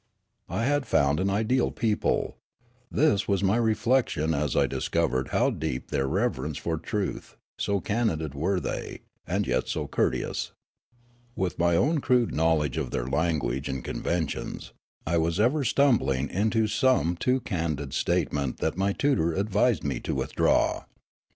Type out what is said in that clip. I had found an ideal people. This was my reflection as I discovered how deep was their reverence for truth — so candid were the)^ and yet so courteous. With my own crude knowledge of their language and conven tions, I was ever stumbling into some too candid state ment that my tutor advised me to withdraw.